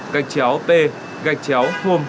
gạch chéo p gạch chéo h